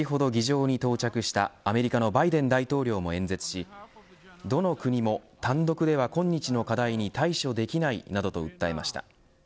また、つい先ほど議場に到着したアメリカのバイデン大統領も演説しどの国も単独では、今日の課題に対処できないなどと訴えました。